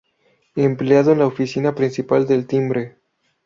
Empleado en la Oficina principal del Timbre.